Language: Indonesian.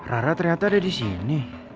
rara ternyata ada di sini